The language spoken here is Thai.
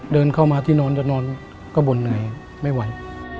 เดินเข้ามาที่นอนจะนอนก็บ่นเหนื่อยไม่ไหว